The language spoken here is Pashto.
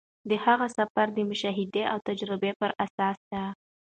د هغه سفر د مشاهدې او تجربې پر اساس دی.